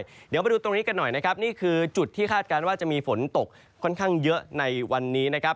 เดี๋ยวมาดูตรงนี้กันหน่อยนะครับนี่คือจุดที่คาดการณ์ว่าจะมีฝนตกค่อนข้างเยอะในวันนี้นะครับ